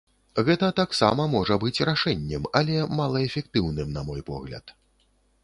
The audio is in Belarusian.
Гэта таксама можа быць рашэннем, але малаэфектыўным, на мой погляд.